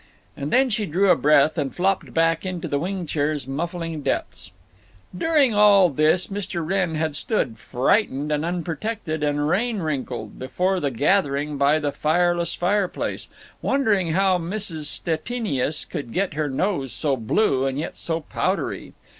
And then she drew a breath and flopped back into the wing chair's muffling depths. During all this Mr. Wrenn had stood, frightened and unprotected and rain wrinkled, before the gathering by the fireless fireplace, wondering how Mrs. Stettinius could get her nose so blue and yet so powdery.